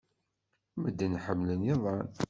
Medden ḥemmlen iḍan.